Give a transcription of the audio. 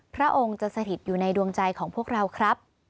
พระองค์จะสถิตอยู่ในดวงใจของพวกเราครับ